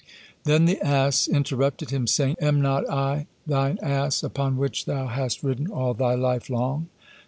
Then the ass interrupted him, saying, "Am not I thine ass upon which thou hast ridden all thy life long?"